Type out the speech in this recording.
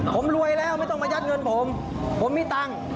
ผมรวยแล้วไม่ต้องมายัดเงินผมผมมีตังค์